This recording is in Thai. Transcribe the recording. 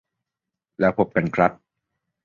แล้วพบกันครับ